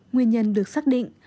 nguyên nhân được xác định